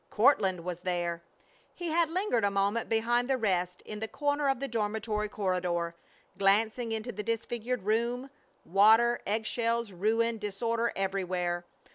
Courtland was there. He had lingered a moment behind the rest in the corner of the dormitory corridor, glancing into the disfigured room; water, egg shells, ruin, disorder everywhere!